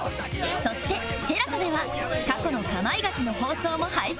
そして ＴＥＬＡＳＡ では過去の『かまいガチ』の放送も配信中